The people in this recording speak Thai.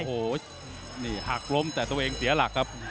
โอ้โหนี่หักล้มแต่ตัวเองเสียหลักครับ